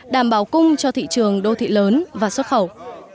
đảm bảo cung cho thị trường đô thị lớn và xuất khẩu